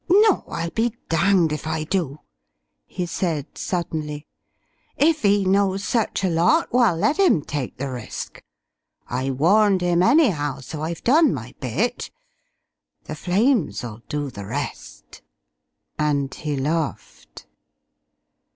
"No, I'll be danged if I do!" he said suddenly. "If 'e knows such a lot, well, let 'im take the risk. I warned 'im anyhow, so I've done my bit. The flames'll do the rest." And he laughed.